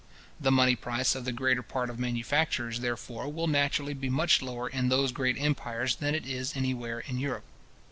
The money price of the greater part of manufactures, therefore, will naturally be much lower in those great empires than it is anywhere in Europe.